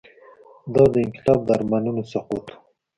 دا د انقلاب د ارمانونو سقوط و.